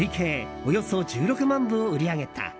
およそ１６万部を売り上げた。